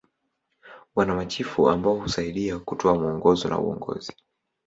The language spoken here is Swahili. Wana machifu ambao husaidia kutoa mwongozo na uongozi.